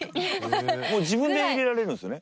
もう自分でいれられるんですよね？